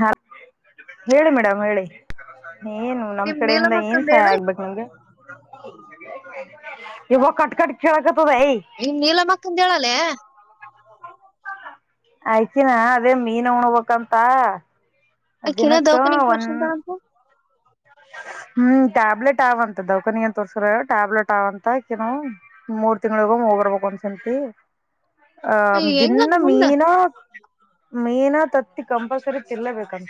ಹ ಹೇಳಿ ಮೇಡಮ್ ಹೇಳಿ ಏನು ನಮ್ ನಿಮ್ ಕಡೆಯಿಂದ ಏನ್ ನೀಲಮಕ್ಕಂದ ಹೇಳ ಸಹಾಯ ಆಗ್ಬೇಕಕ್ ನಮಗೆ ಇವಾಗ ಕಟ್ ಕಟ್ ಕೆೇಳ ಇನ್ ನೀಲ್ಲ ಮಕ್ಕಂತ ಹೇಳಲ್ಲೆ ಆಯ್ತಿನ ಅದೇ ಮೀನ್ ಹಣಬಂತ ಹಕ್ಕಿಿನ ದೌಖಾನ ವರ್ಷಂತಂತ ಹ್ಮ್ ಟ್ಯಾಬ್ಲೆಟ್ ಆವಂತ ದೌಕನ್ಿಗ ಏನ್ ತೋರ್ಸ್ರ ಟ್ಯಾಬ್ಲೆಟ್ ಆಂತ ಕನ ಮೂರ್ ತಿಂಗಳಗ ಹೋಗ್ ಬರ್ಬೇಕಕ್ ಒಂದ್ಸತಿ ಆಹ ದಿನ್ನ ಹೆಂಗಂತ ಮುಂದ ಮೀನಾ ಮೇನ ತತ್ತಿ ಕಂಪಲ್ಸರಿ ತಿನ್ಲೇಬೇಕಂತ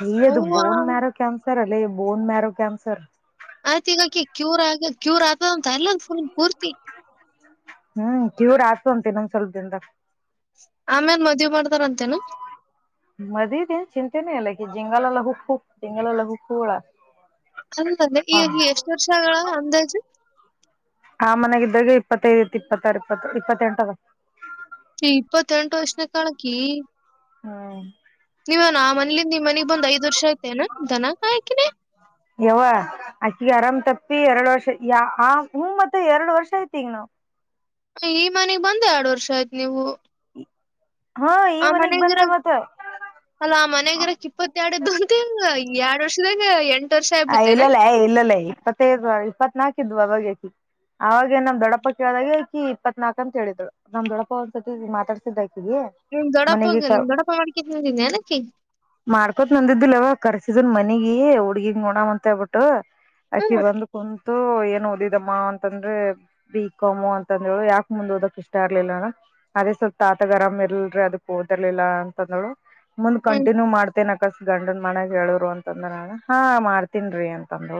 ಹ ಅದು ಅವ್ವ ಬೋನ್ ಮ್ಯಾರೋ ಕನ್ಸ ಸರ್ ಅಲ್ಲಿ ಬೋನ್ ಮ್ಯಾರೋ ಕ್ಯಾಂ ಸರ್ ಆಯ್ತ ಈಗ ಆಕಿ ಕ್ಯೂರ್ ಆಗ ಕ್ಯೂರ್ ಆಗ್ತದ ಅಂತ ಎಲ್ಲ ಒಂದ್ ಫುಲ್ ಪೂರ್ತಿ ಹ್ಮ್ ಕ್ಯೂರ್ ಆತು ಅಂತೆ ಇನ್ನೊ್ ಸ್ವಲ್ಪದಿಂದ ಆಮೇಲ್ ಮದ್ುವೆ ಮಾಡ್ತಾರಂತೇನು ಮದ ನೀ ಚಿಂಂತೆೆ ನ ಇಲ್ಲ ಜಿಂಗಾಲ ಲ ಹು ಹೂ ಜಿಂಗಾಲ ಲ ಹು ಹುಳ ಅಲ್ಲಲ್ಲ ಹ ಈಗ ಎಷ್ಟ ವರ್ಷಗಳ ಅಂದಾಜು ಆ ಮನಾಗಿದ್ದಾಗ ಇಪ್ಪತ್ತೈದ ಇತ್ತು ಇಪ್ಪತ್ತಾರು ಇಪ್ಪತ್ತು ಇಪ್ಪತ್ತೆಂಟದ ಇಪ್ಪತ್ತೆಟ ವರ್ಷನ ಕಳಕ್ಕಿ ಹ್ಮ್ ನೀವ ಆ ಮನಲಿಂದ ನಿ್ ಮನೆಗ್ ಬಂದ್ ಐದ್ ವರ್ಷ ಐತೆ ನಾ ದನ ಹಾಕಿನಿ ಯವ್ವ ಅಕಿಗೆ ಆರಾಮ್ ಎರಡ್ ವರ್ಷ ಯ ಆ ಹ್ಮ ಮತ್ತ ಎರಡ್ ವರ್ಷ ಐತಿ ಈಗ ನಾವವು ಈ ಮನೆಗ್ ಬಂದ ಎರಡು ವರ್ಷ ಆಯ್ತ್ು ನೀವು ಹಾ ಈ ಆ ಮನಿಗ್ ಮನ್ಗಿರ ಬಂದೆ ಮತ್ತ ಅಲ್ಲ ಆ ಮನ್ಗಿರಕ್ ಇಪ್ಪತ್ತ ಎರಡದ್ದುಂತ ಆ ಎರಡ್ ವರ್ಷದಾಗ ಎಂ ಆ ಇಲ್ಲಲ್ಲೇ ಇಲ್ಲಲ್ಲೇ ಇಪ್ಪತ್ತೈ ಇಪ್ಪತ್ನಾಾಕ ಇದ್ ಅವಾಗಕಿ ಆವಾಗ ನಮ್ ದೊಡಪ್ಪ ಕೇಳದಾಗ ಆಕಿ ಇಪ್ಪತ್ನಾಾಕಕ್ ಅಂತ ಹೇಳಿದ್ ನಮಮ್ಮ ದೊಡಪ್ಪ ಒ್ಸತಿ ಮಾತಾಡ್ಸಿದಕಿ ನಿಮ್ ಮನೆಗೆ ದೊಡ್ಡಪ್ಪಗ ಕ ನಿಮ್ ದೊಡ್ಡಪ್ಪ ಮಾಡ್ಕೇತ್ ನಿಂತಿದ್ನೇನಕಿ ಮಾಡ್ಕೋತ್ ನಂದಿದ್ದಿಲ್ಲವ ಕರ್ಸ ಇದನ್ ಮನೆಗೆ ಹುಡ್ಗಿ ಗುಣ ಅಂತೇಬಿಟ್ಟು ಆಕಿ ಹ್ಮ್ ಬಂದು ಕ ೊ ಏನ್ ಓದಿದಮ್ಮ ಅಂತಂದ್ರೆ ಬಿ ಕಾಮು ಅಂತಂದೇಳು ಯಾಕ ಮುಂದ್ ಓದಕ್ ಇಷ್ಟ ಇರ್ಲಿಲ್ಲಣ ಅದೇ ಸ್ವಲ್ ತಾತಗ ಅರಾಮ ಇರ್ಲ್ರ ಅದಕ್ ಓದಿರ್ಲಿಲ್ಲ ಅಂತಂದಳು ಮುಂದ್ ಹ್ಮ್ ಕಂಟಿನ್ಯೂ ಮಾಡ್ತೆೇನೆ ಅ ಕಸ ಗಂಡ ಮನಗ್ ಹೇಳರು ಅಂತಂದ್ರ ಹ ಮಾಡ್ತನ್ಿ ಅಂತಂದು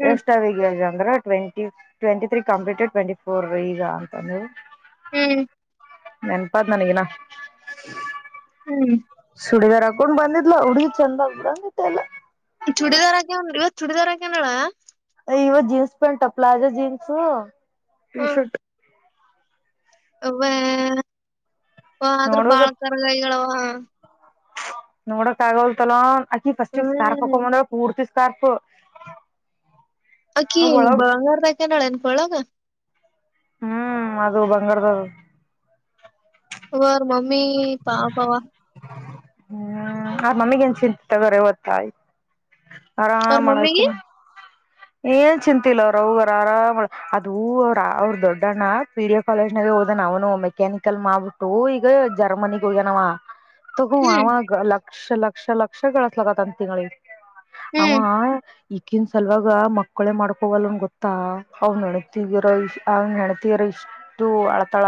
ಹ್ಮ್ ಎಷ್ಟ ಅವಗ ಅಂದ್ರ twenty twenty three completed twenty four ಈಗ ಅಂತವು ಹ್ಮ್ ನೆನಪಾಂತನಗನ ಹ್ಮ್ ಹ್ಮ್ ಸುಡಿದಾರ್ ಹಾಕೊಂಡ್ ಬಂದ್ಲಾ ಹುಡ್ಗಿ ಚಂದ ಬಂದಿತ್ತ ಎಲ್ಲ ಈ ಚೂಡಿದಾರಕ್ಕೆಂದ್ರ ಇವತ್ ಚೂಡಿದಾರಕ್ಕೆನಡ ಇವಾಗ jeans pant palazzo jeans T shirt [unintelligible] ಆದದ್ರ ಬಾಳ್ ಕರಗಾಯಿಗಳ ಹಾ ನೋಡ ಕಗವಲ್ ತಲಂ ಅಕಿ ಫಸ್ಟ್ ಕಾರ್ ಹ್ಮ್ ಪಕಂಬಂದ ಪೂರ್ತಿ ಕರ್ಫು ಅಕ್ಕಿ ಬಂಗಾರದಕ ನಳೆನ್ ಕೊಳಾಗ ಹ್ಮ್ ಅದು ಬಂಗಾರದ ಹ ಮಮ್ಮಿ ಪಾಪಾವಾ ಹ್ಮ್ ಆ ಮಮ್ಮಿಗ ನ್ ಚಿಂತ ತಗೋಾರೆ ತ್ತಾಯ್ತು ಅವ್ರ ಮಮ್ಮಿಗೆ ಆರಾಮಾಮಳಕನ ಏನ್ ಚಿಂತಿಲ್ಲ ಅವ್ರ ಅವಗರ ಆರಾಮ್ ಅದೂ ಅವ್ರ ಅವ್ರ ದೊಡ್ಡಣ್ಣ ಪಿ ಡಿ ಎ ಕಾಲೇಜ್ನಾಗ ಹೋದಾನ ಅವನು ಮೆಕ್ಯಾನಿಕಲ್ ಮಾಡಬಿಟ್ಟು ಈಗ ಜರ್ಮನಿಗ್ ಹೋಗ್ಯನವ ಹ ಹ್ಮ್ ಆ ಲಕ್ಷ ಲಕ್ಷ ಲಕ್ಷ ಕಳಸಲಗ ಅಂತಂಗಳ ಆಾ ಹ್ಮ್ ಈಕನ್ ಸಲ್ವ ಈಗ ಮಕ್ಕಳೇ ಮಾಡ್ಕೊೋಗಲ್ಲನ್ ಗೊತ್ತಾ ಅವ ನೆಣತಿಗಿರೋ್ ಅವ ನೆಣತಿ ಇರೋ ಇಷ್ಟು ಅಳತಳ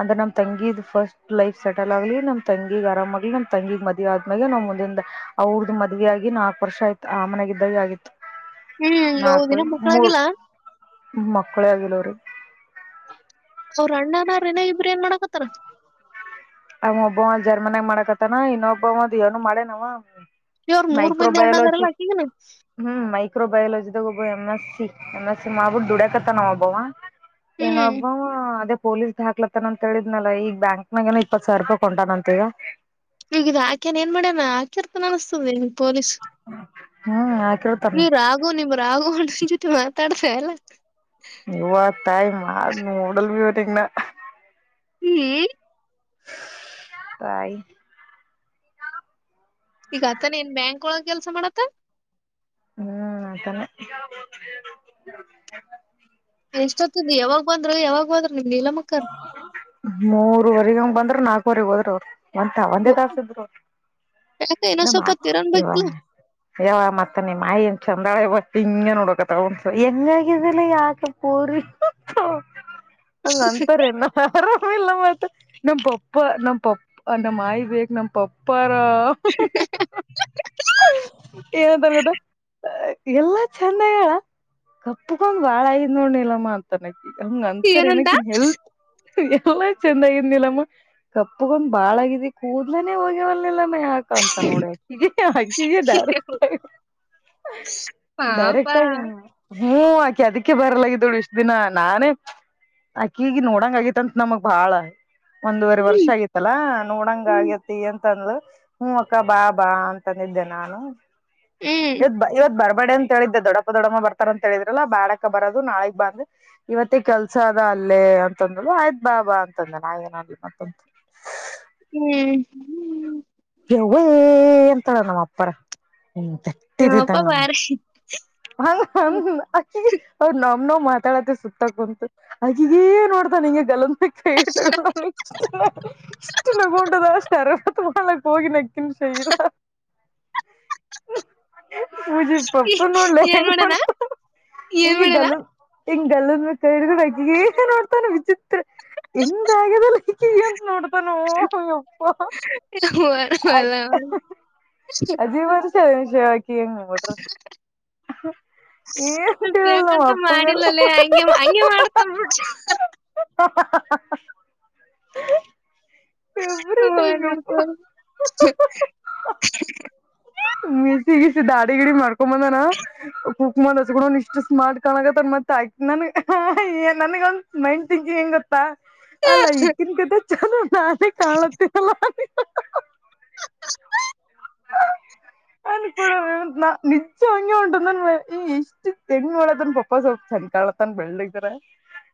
ಅಂದ್ರೆ ನಮ್ ತಂಗಿದ್ ಫಸ್ಟ್ ಲೈಫ್ ಸೆಟಲ್ ಆಗ್ಲಿ ನಮ್ ತಂಗಿಗ ಆರಾಮಾಗ್ಲಿ ನಮ್ ತಂಗಿಗ್ ಮದ್ವಿ ಆದ್ಮ್ಯಾಗೆ ನಮ್ ಮುಂದಿಂದ ಅವ್ರದ ಮದ್ವಿ ಆಿ ನಾಲ್ಕು ವರ್ಷ ಆಯ್ತತ್ ಆ ಮನಯಾಗ ಇದಿದ್ದಾಗ ಆಗಿತ್ತು ಹ್ಮ್ ನಾಲ್ಕು ಹೌದಿನ ಮೂರ್ ಮಕ್ಕಳಾಗಿಲ್ಲ ಮಕ್ಕಳೇ ಆಗಿಲ್ಲ ಅವರು ಅವ್ರ ಅಣ್ಣನ್ರನ ಇಬರು ಏನ್ ಮಾಡಕತ್ತಾರ ಅವ ಒಬ್ಬ ಒಂದ್ ಜರ್ಮನಾಗ ಮಾಡಕತನ ಇನ್ನೊಬ್ಬ ಒಂದ ಏನು ಮಾಡೇನವ ಶರ್ ಮೂರ್ ಮಂದಿ ಅಣ್ಣದಾರಲ್ಲ ಆಾಕಿಗನೆ ಇ ಬಯಲೋಜಿದಾಗ ಒಬ್ಬ M S C M S C ಮಾಡ್ಬಿಟ್ಟ ದುಡ್ಯಕತ್ತ ನಾವಬವ ಹ್ಮ್ ಏನಪ್ಪ ಅೇ ಪೊಲೀಸ್ ಹಾಕ್ಲತ ಅಂತ ಹೇಳಿದ್ನಲ್ಲ ಈಗ ಬ್ಯಾಕ್ನಾಗನ ಇಪ್ಪತ್ ಸಾವಿರ ರೂಪಾಯಿ ಕೊಂಟಾನಂತ ಈಗ ನಿವಗಿದ ಆಕೆಾನ ಏನ್ ಮಾಡ್ಯಣ ಆಕ್ಯರ್ತ ಅನಿಸತದೆ ಪೊಲೀಸ್ ಹ್ಮ ನೀವ್ ರಾಗು ನಿಮ್ ರಾಗು ತೆ ಮಾತಾಡ ಸೆಲ್ಲ ನೀತಾಯ್ ಮಾಡ ಉಡಲ್ ಬಿ ಟಂಗನ ಹ್ಮ್ ತಾಯ ಈಗ ಆತಾನ ಏನ್ ಬ್ಯಾಂಕ್ೊಳಗೆ ಕೆಲಸ ಮಾಡತ್ತೆ ಹ್ಮ್ ತಾನೆ ಹ್ರು ಯಾವಾಗ್ರ ಮೂರವರೆಗ ಹಂಗ ಬಂದ್ರ ನಾಲ್ಕು ಊರಿಗೆಿಗೆ ಹೋದ್ರ ಅವ್ರು ಒಂತ ಒಂದೇ ದಾಸ ಇದ್ರು ಯಾಕ ಏನೋ ಸ್ವಲ್ಪ ನಮ್ಮ ತಿರನ್ ಬೇಕಿಲ್ಲ ಯವ ಮತ್ತ ನಿ ಮಾಯಿ ಅಂತ ಚಂದಾಳೆ ಬ ಹಿಂಗ ನೋಡೋಕ ತಗೊೊಂಡಸ ಹೆಂಗಾಗಿದಿಲ್ಲ ಯಾಕೆ ಪೋರಿ ಹಂಗ ಅಂತಾರ ಎಲ್ಲ ಯಾರ ಲ್ಲ ಮ ನಮ್ ಪಪ್ಪ ನಮ್ ಪಪ್ಪ ನಮ್ಮ ಆಯಿ ಬೇಕಕ್ ನಮ್ ಪಪ್ಪ ಏನಂತಾರೆ ಗತ್ತ ಎಲ್ಲಾ ಚೆಂದ ಹೇಳ ಕಪ್ಕೊಂಡ್ ಬಾಳ ಐದ್ ನೋಡ್ ನಿಲಮ್ಮ ಅಂತಾನೆ ಹಂಗ್ ಏನಂತ ಅಂತಾರೆನಕ್ಕೆ ಹ ಎಲ್ಲಾ ಚಂದಗಿದ್ನಿಲ್ಲಮ್ಮ ಕಪ್ಪಗೊಂಡ್ ಬಾಳಗಿದಿ ಕೂದಲನೆೇ ಹೋಗ್ಯವಿಲ್ಲ ಮ್ಮ ಆಕ ಅಂತ ನೋಡಿ ಅಕ್ಕಿಗೆ ಅಕ್ಕಿಗೆ ಡೈರೆಕ್ಟ್ ಆಗ ಪಾಪ ಡೈರೆಕ್ಟ್ ಆಗ ಹ್ಮಞ ಆಕೆ ಅದಕ್ಕೆ ಬರಲಾಗಿದ್ದಳು ಇಷ್ಟ ದಿನ ನಾನೇ ಆಕಿಗ ನೋಡಂಗ ಆಗತ್ಂತತ್ ನಮಗ್ ಬಾಳ ಒಂದುವರೆ ವರ್ಷ ಹ್ಮ್ ಆಗಿತ್ತಲ್ಲಾ ನೋಡಂಗ ಹ್ಮ್ ಆಗೇತಿ ಅಂತ ಂತಂದ ಹೂ ಅಕ್ಕ ಬಾ ಬಾ ಅಂತಂದಿದ್ದೆ ನಾನು ಇ ಇವ ಬಾರ ಬಡೆ ಅಂತಿದ್ದೆ ದೊಡಪ್ಪ ದೊಡ ಬರ್ತಾರ ಅಂತ ಹೇಳಿದ್ರಲ್ಲ ಬಾಡಕ ಬರೋದು ನಾಳಗ್ ಬಂದ್ ಇವತ್ತೇ ಕೆಲಸ ಅಲ್ಲೇ ಅಂತಂದ ಆಯ್ ಬಾಬಾ ಅಂತಂದ ನಾಯನಲ್ಲಿ ಮತ್ತಂತ ಹ್ಮ್ ಅಂತ ನಮ್ಮ್ ಅಪ್ಪಾರ ಹ್ಮ ಯಪ್ಪ ತಟ್ಟಿದತಂಗ ನಮ್ಮ ಬಾರಿ ಹ ಹ ನಾ ನ್ನೋ ಮಾತಾಡತ್ತ ಸುತ್ತಂತು ಹಾಗಿಗ ನೋಡತ ನಿಂಗೆ ಗಲ ಕೈಟ್ಟ ಇ ಇಷ್ಟ ನಗಟದಷ್ಟರ್ ತುಂಬಲ್ಲ ಹೋಗಿ ನಕ್ಕಿನ ಸ ಮುಜಿಪ್ಪ ಏನ್ ಪಣೂಡಲ್ಲಂಗ್ಡ ಮಾಡಣ ಏನ್ ಹೆಂಗ ಮಾಡಣ ಗಲು ತಿಟಂಗ ಕ ೋತಾನೆ ಚಿತ್ರ ಹಂಗ ನೋಡ ಪ್ಪ ಹದಿ ವರ್ಷ ಸರಿರಿ ಹೆಂಗ ನೀ ಬಿಡ್ರಿ ತಿಳಿಯಲ್ಲ ನಮ್ ಬೇಕಂತ ಅಪ್ಪಂಗಾರ ಮಾಡಿಲ್ಲಲ್ಲ ಹಗೆ ಹಂಗೆ ಮಾಡತ ಬಿಡ್ರಿ [inaudible] ಫೇವ್ರೇಟ್ ಆಗ್ಯಪ್ಪ ಹ ಮಿಸಿಗಿಸಿ ದಾಡಿ ಗಿಡಿ ಮಾಡ್ಕೊ ಬಂದನ ಕುಕ್ಮಂದ್ ಹಚ್ಕೊಂಡ್ ಇಷ್ಟು ಸ್ಮಾರ್ಟ್ ಕಾಣಗತ್ ಮತ್ತ ಆ ನನ್ ನಗ ಒಂದ ಮೈಂಡ್ ಂಕಿಂಗ್ ಹೆಂಗತ್ತ ಬಾ ಅಲ್ಲ ಈಿ ಕನ್ ಚಲ್ಲ ನೆ ಕಾಣತ್ತಲ್ಲ ಅದು ಕೂಡ ನಿಜ ಹಂಗಗೆ ಉಂಟದನ್ ಈ ಇಷ್ಟ ತೆಂಗ ಮಾಡಳದನ್ ಪಾಪ ಸ್ವಲ್ಪ ಸಂಕಾಳತನ್ ಬೆಳ್ಳಿದ್ರ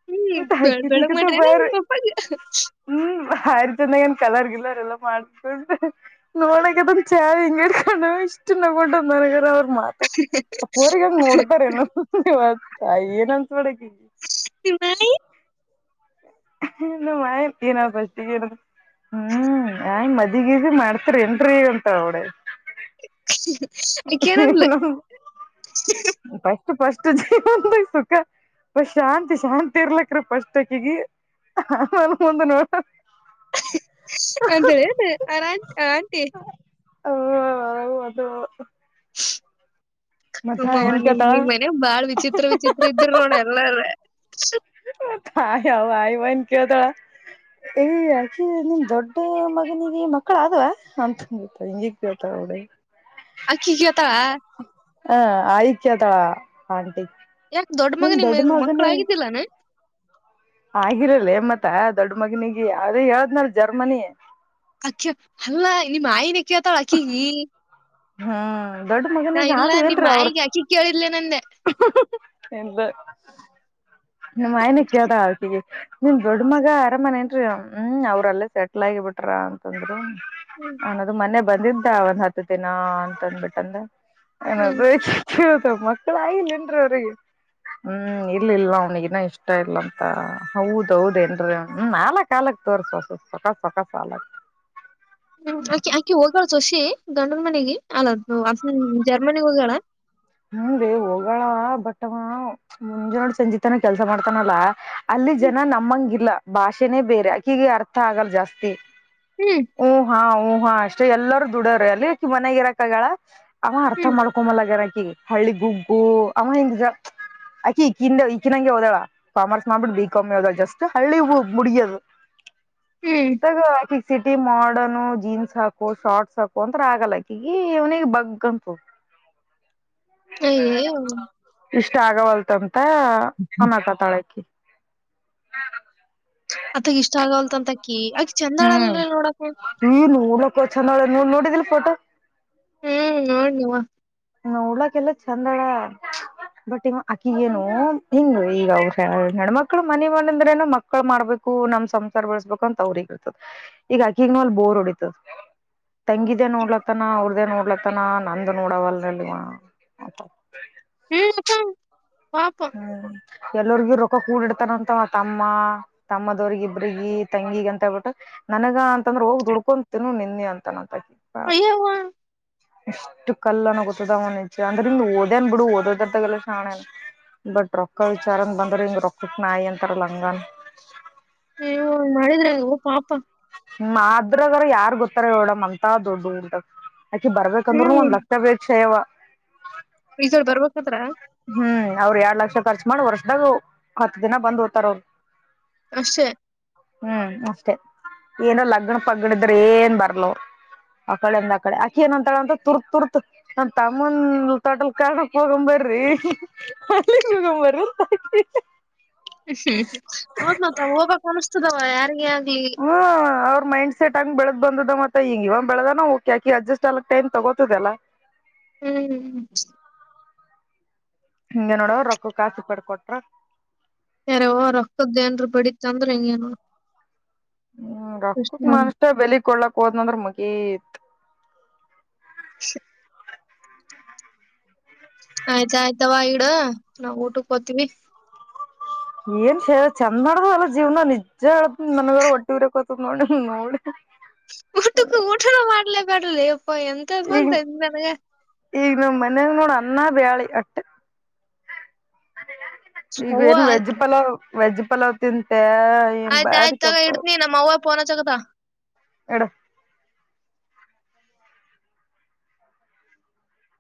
ಹ್ಮ್ ಬೆಳ್ ಬೆಳಗ್ ಮಾಡಟ್ರನೆ ಪಪಾಗ ಹ್ಮ್ ಹಾರಿ ಚಂದಾಗ ಒಂದ್ ಕಲರ್ ಗಿಿಲ್ಲರ್ ಎಲ್ಲ ಮಾಡ್ಕೊಂಡ್ರಿ ನೋಡಕ ಅದ್ ಚಾವ್ ಹಿಂಗಡ ಹ ಇಷ್ಟ ಕೊಟ್ಟಂದಾರೆ ಅವರು ಮಾತ ೋರಿಗಂಗ ನೋಡ್ತಾರ ಏನವ ಏನ ಸ್ಡಕ ನಿಮ್ ನಾಯಿ ಇ ಮಾಯ ಏನ ಫಸ್ಟ್ ಹೇಳ ಹ್ಮ್ ಆ ಮಜೆ ಇದಗ ಇದಿ ಮಾಡ್ತೀರಿ ಎಂಟ್ರ ಅಂತ ಅವಳ [unintelligible] ಆಕಿ ಏನಂದ್ಲ ಪ ಪಸ್ಟ್ ಜೀವ ಸುಖ ಪ ಶಾಂತಿ ಶಾಂತಿ ಇರ್ಲಕ್ರ ಪಸ್ಕ್ಕಿಗಿಾನ ಮುಂದ ನೋಡ ಅಂತೇಳಿ ಆ ಆಂಟಿ ಹ ಅದು ಮತ್ತ ಹವ ಏನ್ ನೀ್ ನಿಮ್ಮ ಕೇಳ್ತಾಳ ಮನೆ ಬಾಳ್ ವಿಚಿತ್ರ ವಿಚಿತ್ರ ಇದ್ದ್ರ ನೋಡ ಎಲ್ಲಾರ ಆಯ್ ಅವ ಆಯ್ವನ್ ಕೇಳ್ತಾಳ ಈ ಅಕಿ ನಿನ್ ದೊಡ್ಡ ಮಗನಿಗೆ ಮಕ್ಕಳ ಆದವ ಅಂತನ್ ಗೊತ್ತ ಹಿಂಗಿಗ್ ಕೇಳ್ತಾಳ ಹುಡುಗ ಅಕ್ಕಿಗೇತಾಳ ಹ ಆಯಕತಳ ಆಂಟಿ ಯಾಕ ದೊಡ್ಡ ನಿಮ್ ಮಗನ ನಿ ಮಕ್ಳ ಮಗನೇ ಆಗಿದ್ದಿಲ್ಲಾನ ಆಗಿರಲ್ಲ ಮತ್ತ ದೊಡ್ಡ ಮಗನಿಿಗೆ ಅ ಹೇಳ್ದ್ನಲ್ ಜರ್ಮನಿ ಅಕ್ಕ್ಯ ಅಲ್ಲಾ ನಿಮ್ಮ ಆಯನೆ ಕತರಾಕಿ ಹ ಹ್ಮ ನಾ ಇಲ್ಲ ನಿಮ್ಮ ಆಯಿಗೆ ಅಕ್ಕಿ ಕೇಳಿಲ್ಲಲೇ ನಂದೆ ಎಂತ ನಿಮ್ಮಯನ ಕೇಳ್ದ ಅವಕಿಗೆ ನಿಮ ದೊಡ್ ಮಗ ಅರಾಮನೆ ನ್ೀ ಹ್ಮ್ ಅವ್ರಲ್ಲೇ ಸೆಟ್ಲ್ ಆಗಿಬಿಟ್ರ ಅಂತಂದ್ರರು ಹ್ಮ್ ಹನದು ಮೊೆ ಬಂದಿದ್ದ ಒಂದ್ ಹತ್ತು ದಿನ ಅಂತಂದಬಿಟ್ಟಂದ ಏನಾದ್ರೂ ಮಕ್ಕಳ ಆಾಗಿಿಲ್ಲವರೆರಿಗೆ ಹ್ಮ್ ಇಲ್ಲ ಇಲ್ಲ ನನಗನ್ನ ಇಷ್ಟ ಇಲ್ಲಂತ ಹೌದೌದ ಏನ್ರ ಹ ನಾಲಕ್ ಕಾಲಕ್ ತೋರ್ಸ ಸಕ ಸಕಾಲಕ್ ಹ್ಮ್ ಅಕಿ ಆಕಿ ಹೋಗ್ಾಳ ಸೋಷಿ ಗಂಡದ ಮನೆಗೆ ಅಲ್ಲ ಹಸ ಜರ್ಮನಿಗ್ ಹೋಗಳ ಹ್ಮ ರೀ ಹೋಗೋಳ ಬಟ್ ಮುಂಜಾನ ಸಂಜಿತನ ಕೆಲ್ಸ ಮಾಡ್ತಾನಲ್ಲ ಅಲ್ಲಿ ಜನ ನಮಂಗಿಲ್ಲ ಭಾಷೆನೇ ಬೇರೆ ಆಕಗ ಅರ್ಥ ಆಗಲ್ಲ ಜಾಸ್ತಿ ಹ್ಮ್ ಓ ಹಾ ಹ್ಮ್ ಹಾ ಅಷ್ಟೇ ಎಲ್ಲಾರೂ ದುಡೋ್ರರಿ ಅಲ್ಲಿ ಯಾಕಿ ಮನೆಗಿರಾಕಗಳ ಅವ ಅರ್ಥ ಹ್ಮ್ ಮಾಡ್ಕೊಂಬಲ್ಲಗಾರ ಹಳ್ಳಿ ಗುಗ್ಗು ಅಮ್ಮ ಹೆಂಗಜ ಆಕಿ ಈಕಿಂದ ಈಕಿನಂಗೆ ಹೋದಳ ಕಾಮರ್ಸ್ ಮಾಡ್ಬಿಟ್ಟು ಬ ಕಮ್ಮಿ ಹೋದಳ ಜಸ್ಟ್ ಹಳ್ಳಿ ಮುಡಗಿಯದು ಹ್ಮ್ ತಗಕಿ ಸಿಟಿ ಮಾಡನು ಜೀನ್ಸ್ ಹಾಕು ಶಾರಟ್ಸ್ ಹಾಕು ಅಂತ ಆಗಲ್ಲಕಗಿ ಇನಿಗೆ ಬಗ್ಂತು ಏ ಇಷ್ಟ ಆಗವಲ್ತ ಅಟ ತಳಕಿ ಹಾ ಅದಗ ಇಷ್ಟ ಆಗಲ್ತ್ ಅಂತಕಿ ಚಂದಾಳಲ್ರ ನೋಡಕ ಹಲಕೋ ಚಂದೋ ನೀ ನೋಡಿದಿಲ್ ಫೋಟೋ ಹ್ಮ ನೋಡ್ ನೀವಾ ನೋಡ್ಲಾಕೆಲ್ಲ ಚೆಂದ ಅಡ ಬಟ್ ಈವ ಅಕಿಗೇನು ಹಿಂಗ ಈಗ ಅವ್ರ ನಣ್ಮಕ್ಳ ಮನ ಮನೆ ಅಂದ್ರೇನು ಮಕ್ಳ ಮಾಡ್ಬೇಕು ನಮ್ ಸಂಸಾರ ಬಳಸ್ಬೇಕು ಅಂತ ಅವ್ರಗ ಇರ್ತದ ಈಗ ಅಕಿಗ್ ನಲ್ ಬೋರ್ ಹೊಡಿತದ ತಂಗಿದಿದೆ ನೋಡ್ಲತ್ತನ ಅವ್ರದೇ ನೋಡ್ಲ ತನ ನಂದು ನೋಡವಲ್ಲ ವಾ ಹ್ಮ್ ಚ ಹ್ಮ್ ಎಲ್ಲರಿಗಿ ರೊಕ ಹೂಡಿಡ್ತಾನಂತವ ತಮ್ಮ ತಮ್ಮದವ್ರಗ ಇಬ್ರಿಗೆಿ ತಂಗಿಗ ಅಂತ ಹೇಳ್ಬಿಟ್ಟು ನನಗ ಅಂತಂದ್ರ ಹೋಗ್ ದುಡ್ಕೊಂತಿನ ನಿಂದೆ ಅಂತನಂತ ಹಾ ಅಯ್ಯವ್ವ ಇಷ್ಟು ಕಲ್ಲನ ಗೊತ್ತದ ಮನಿಜ ಅಂದ್ರ ಹಂಗ ಓದೇನ್ ಬಿಡು ಓದದರ್ದಾಗೆಲ್ಲ ಶಾಣೇ ಬಟ್ ರೊಕ್ಕ ವಿಚಾರನ್ ಬಂದ್ರ ಹಂಗ ರೊಕ್ಕಟ್ಟ ನಾಯಿ ಅಂತಾರ ಲಂಗನ್ ಮಾಡಿದ್ರ ಓ ಪಾಪ ಮಾದ್ರಗರ ಯಾರ್ ಗೊತ್ತಾರ ಹೋಡಮ್ ಅಂತ ದೊಡ್ಡ ಉಂಟ ಆಾಕಿ ಬರ್ಬೇಕಂದ್ರರುನು ಒಂದ್ಕ್ತ ವೇಟ್ಷಯ್ಯವ ರಸಲ್ ಬರ್ಬೇಕತ್ರ ಹ್ಮ್ ಅವ್ರ ಎರಡ್ ಲಕ್ಷ ಖರ್ಚಚ್ ಮಾಡಿ ವರ್ಷದಾಗ ಹತ್ತು ದಿನ ಬಂದ್ ಓ್ತಾರ ಅವರು ಅೆ ಹ್ಮ್ ಅಷ್ಟೇ ಏನೋ ಲಗ್ಣ ಪಗ್ಗಣಿದ್ರ ಏನ್ ಬರ್ಲವ ಅಕಡೆಂದ ಅಕಡೆ ಆಕಿ ಏನಂತಳ ಅಂತ ತುರ್ ತುರ್ತ್ ನಂದ ತಮ್ಮಂದ ತೊಟಲ್ ಕಕ್ ಹೋಗಂಬರ್ರಿ ಅಂಬರಿ ಹೌದ್ ಮತ ಹೋಗಬಕ್ ಅನ್ಿಸ್ತದವ ಯಾರಿಗ ಹ್ಮ ಅವ್ರ ಮೈಂಡ್ ಸೆಟ್ ಆಂಗಿ ಬೆಳೆ ಬಂದದ ಮತ್ತೆ ಈಂಗಗ ಇವನ್ ಬೆಳೆದಾನ ಹೋಗಕೆಾಕಿ ಅಡ್ಜಸ್ಟ್ ಆಗಕ್ ಟೈಮ್ ತಗೋತದಲ್ಲ ಹ್ಮ್್ಮ ಹಿಂಗ ನೋಡವ ರೊಕ್ಕ ಕಾಸಿ ಪಡ್ಕೊಟ್ರ ಯಾರ ರಕ್ತದ್ದೇಏನ್ರ ಬಡ ಚಂದ್ರ ಏನು ಹ್ಮ್ ಅಕ್ಕಕ್ ಮಷ್ಟ ಬೆಲಿಗ್ ಕೊಳ್ಳಕ್ ಹೋದ್ನಂದ್ರ ಮುಗಿ ಹ ಆಯ್ತ ಆಯ್ತಾವ ಈಡ ನಾವ್ ಊಟಕ್ ಹೋತಿೀವಿ ಏನ್ ಶೇ ಚಂದ ಮಾಡಡ್ದ ಅಲ್ಲ ಜೀವನ ನಿಜ ಅ್ದ ನನಗಾರ ಒಟ್ಟಿರಕೋತ ನೋಡಿ ನೋಡಿ ಊಟುಕ ಊಠಣ ಮಾಡಾರಲ ಬ [unintelligible] ಇ ಎಂತ ಇಪ್ಪ ತಳಗೆ ಇನ್ನೆೋಡ ಅನ್ನಾ ಬ್ಯಾಳೆ ಅಟ್ಟ ಅಟೆಯ ಈಗ ಅವ್ವ ಏನು ವೆಜ್ ಪಲಾವ್ ವೆಜ್ ಪಲಾವ್ ತಿಿಂದ ನು ಆಯ್ತ ಆಯ್ತ ತಗ ಬಾರತೊಪ್ಪ ಇಡ್ತನಿ ನಮ್ಮವ್ವ ಫೋನ್ ಅಚ್ಚ ಕತ್ತಳ ಇಡು